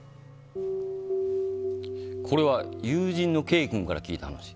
これは、友人のＫ君から聞いた話。